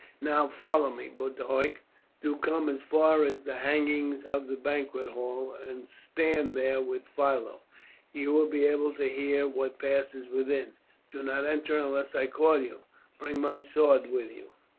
Now follow me. Boduoc, do you come as far as the hangings of the banqueting room, and stand there with Philo. You will be able to hear what passes within. Do not enter unless I call you. Bring my sword with you."